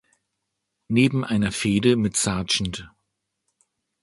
Neben einer Fehde mit Sgt.